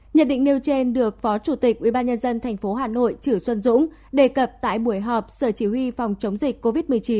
nhận định nêu trên được phó chủ tịch ubnd tp hà nội chử xuân dũng đề cập tại buổi họp sở chỉ huy phòng chống dịch covid một mươi chín